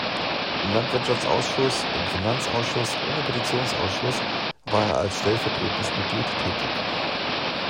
Im Landwirtschaftsausschuss, im Finanzausschuss und im Petitionsausschuss war er als stellvertretendes Mitglied tätig.